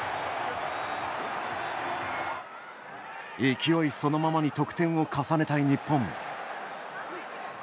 勢いそのままに得点を重ねたい日本。